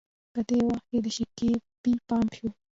په دې وخت کې د شکيبا پې پام شو.